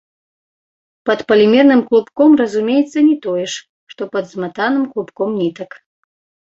Пад палімерным клубком разумеецца не тое ж, што пад зматаным клубком нітак.